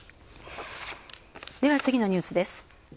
次のニュースです。